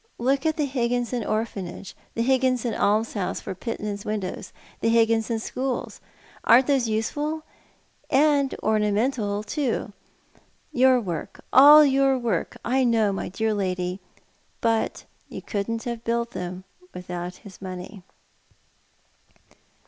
Look at the Higginson Orphanage, the Higginson Almshouses for pitmen's widows, the Higginson Schools ! Aren't those useful, and orna mental too ? Your work, all your work, I know, my dear lady ; but you couldn't have built 'em without his money."